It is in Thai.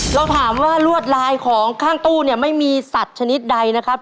เราถามว่ารวดลายของข้างตู้เนี่ยไม่มีสัตว์ชนิดใดนะครับ